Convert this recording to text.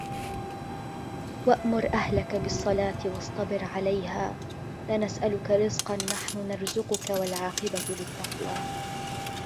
وَأْمُرْ أَهْلَكَ بِالصَّلَاةِ وَاصْطَبِرْ عَلَيْهَا لَا نَسْأَلُكَ رِزْقًا نَحْنُ نَرْزُقُكَ وَالْعَاقِبَةُ لِلتَّقْوَى